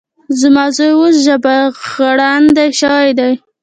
زما زوی اوس ژبغړاندی شوی دی.